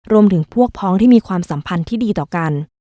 รวมถึงพวกพ้องที่มีความสัมพันธ์ที่ดีต่อกัน